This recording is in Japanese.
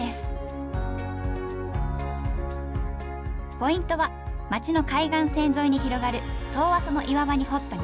ポイントは町の海岸線沿いに広がる遠浅の岩場に掘った溝。